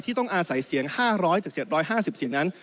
ที่ต้องอาศัยเสียง๕๐๐จากเสียง๑๕๐เสียงนั้น